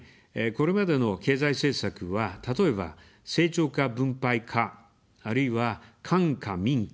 これまでの経済政策は、例えば「成長か分配か」、あるいは「官か民か」